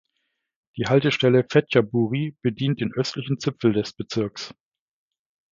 Die Haltestelle "Phetchaburi" bedient den östlichen Zipfel des Bezirks.